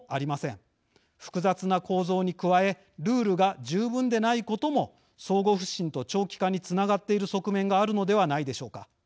複雑な構造に加えルールが十分でないことも相互不信と長期化につながっている側面があるのではないでしょうか。